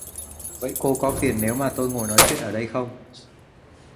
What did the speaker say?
Vậy cô có phiền nếu mà tôi ngồi nói chuyện ở đây không